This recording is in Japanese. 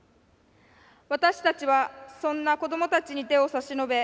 私たちはそんな子どもたちに手を差し伸べ